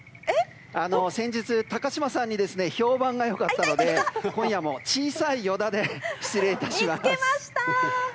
先日、高島さんに評判が良かったので今夜も小さい依田で失礼致します。